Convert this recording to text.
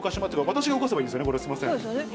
私が動かせばいいんですよね、そうですよね。